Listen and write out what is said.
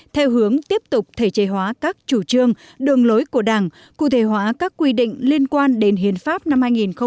theo hướng tiếp tục thể chế hóa các chủ trương đường lối của đảng cụ thể hóa các quy định liên quan đến hiến pháp năm hai nghìn một mươi ba